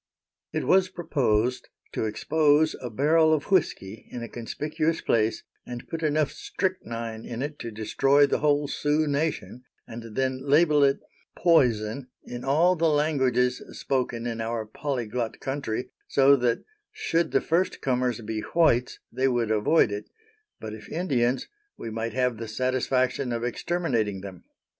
It was proposed to expose a barrel of whisky in a conspicuous place, and put enough strychnine in it to destroy the whole Sioux nation, and then label it "poison" in all the languages spoken in our polyglot country, so that should the first comers be whites they would avoid it, but if Indians, we might have the satisfaction of exterminating them.